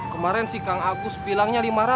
kemarin sih kang agus bilangnya lima ratus